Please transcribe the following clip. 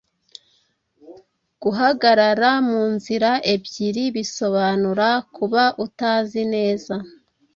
guhagarara mu nzira ebyiri…bisobanura kuba utazi neza